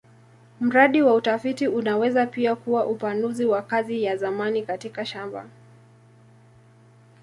Mradi wa utafiti unaweza pia kuwa upanuzi wa kazi ya zamani katika shamba.